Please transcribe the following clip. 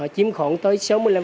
chiếm khoảng tới sáu mươi năm